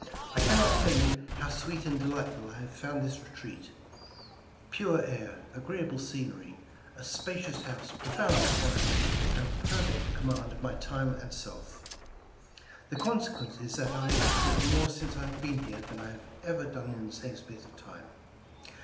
I cannot tell you how sweet and delightful I have found this^^^e^rt^pure air, agTSe ^le scenery, a spacT6us~'hous"e, profound quiet,"and per^ f ect <Jomm^iid of Tny 1±rae' and^ s^^^ is, th^t 1 have written "mofe" since I~have been here than I have ever done in the same space of time.